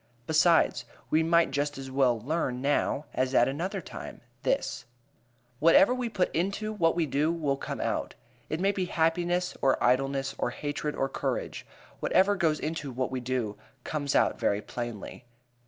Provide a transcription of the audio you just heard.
Besides, we might just as well learn now as at another time, this: Whatever we put into what we do will come out. It may be happiness or idleness or hatred or courage; whatever goes into what we do comes out very plainly.